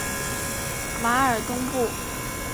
瓦尔东布。